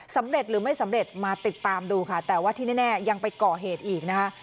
สำเร็จหรือไม่สำเร็จมาติดตามดูค่ะแต่ว่าที่แน่ยังไปก่อเหตุอีกนะคะ